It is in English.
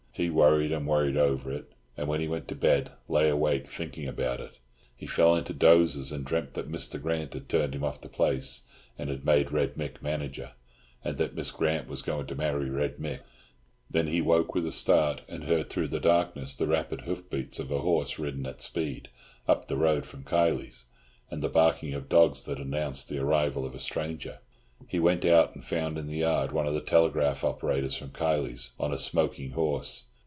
He worried and worried over it, and when he went to bed lay awake thinking about it. He fell into dozes, and dreamt that Mr. Grant had turned him off the place, and had made Red Mick manager, and that Miss Grant was going to marry Red Mick; then he woke with a start, and heard through the darkness the rapid hoof beats of a horse ridden at speed up the road from Kiley's, and the barking of dogs that announced the arrival of a stranger. He went out and found in the yard one of the telegraph operators from Kiley's, on a smoking horse.